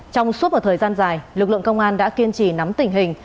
trong suốt một thời gian dài lực lượng công an đã kiên trì nắm tình hình